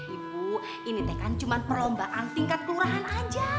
ibu ini teh kan cuma perlombaan tingkat kelurahan aja